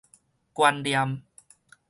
觀念